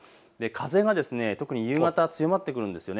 風が特に夕方強まってくるんです。